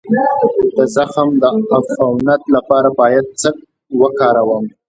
د زخم د عفونت لپاره باید څه شی وکاروم؟